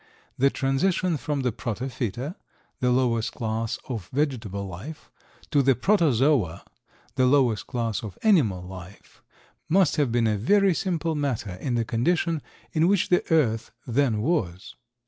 The transition from the protophyta, the lowest class of vegetable life, to the protozoa, the lowest class of animal life, must have been a very simple matter in the condition in which the earth then was.